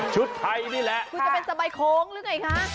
ไทยนี่แหละคุณจะเป็นสบายโค้งหรือไงคะ